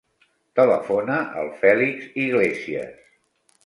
Telefona al Fèlix Iglesias.